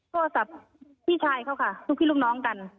โทรศัพท์พี่ชายเขาค่ะลูกพี่ลูกน้องกัน